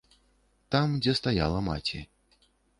Там, дзе стаяла маці.